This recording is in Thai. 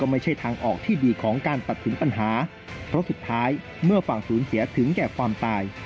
เพราะสุดท้ายเมื่อฝั่งศูนย์เสียถึงแก่ความตาย